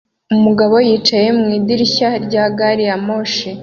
Umugabo yicaye mu idirishya rya gari ya moshi